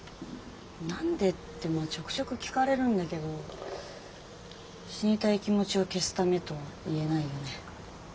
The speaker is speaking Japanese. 何でってまあちょくちょく聞かれるんだけど死にたい気持ちを消すためとは言えないよね。